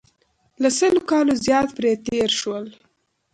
له سلو کالو زیات پرې تېر شول.